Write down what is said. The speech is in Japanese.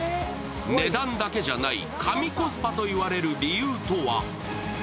値段だけじゃない、神コスパと言われる理由とは？